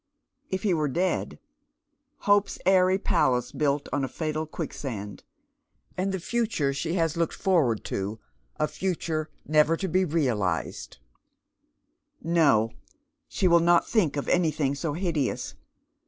If he were dead ; hope's airy palace built on a fatal quicksand ; and the future she has looked forward to a future never to be realized I No, she will not think of anything so liideous.